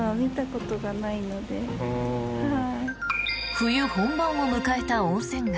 冬本番を迎えた温泉街。